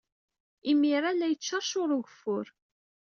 Imir-a, la yettceṛcuṛ ugeffur.